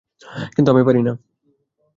কিন্তু আমি পারি না।